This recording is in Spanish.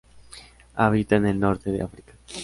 Habita en el norte de África.